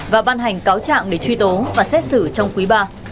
và ban hành cáo trạng để truy tố và xét xử trong quý ba